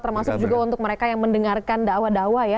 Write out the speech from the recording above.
termasuk juga untuk mereka yang mendengarkan dakwah dakwah ya